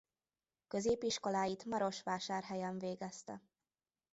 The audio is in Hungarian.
Középiskoláit Marosvásárhelyen végezte.